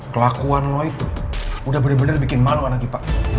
kelakuan lo itu udah bener bener bikin malu nanti pak